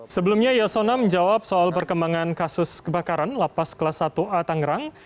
sebelumnya yasona menjawab soal perkembangan kasus kebakaran lapas kelas satu a tangerang